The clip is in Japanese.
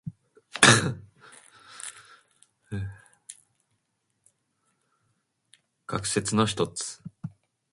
水・火・金・木・土の五つの根元要素が互いに力を減じ合い、水は火に、火は金に、金は木に、木は土に、土は水に勝つという考え方。五行の徳を歴代の王朝にあてはめて変遷の順を理論づけた学説の一つ。